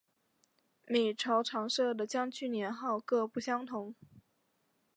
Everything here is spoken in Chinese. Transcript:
每朝常设的将军名号各不相同。